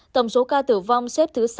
tổng số ca tử vong xếp thứ sáu